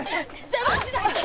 邪魔しないで！